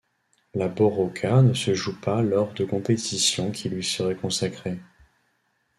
La borroka ne se joue pas lors de compétitions qui lui seraient consacrées.